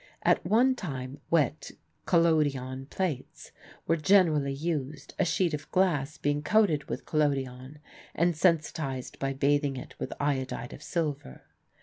At one time wet collodion plates were generally used, a sheet of glass being coated with collodion and sensitized by bathing it with iodide of silver.